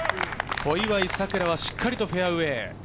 小祝さくらはしっかりフェアウエー。